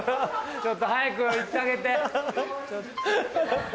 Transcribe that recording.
ちょっと早く行ってあげて。